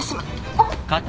あっ！